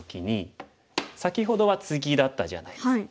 先ほどはツギだったじゃないですか。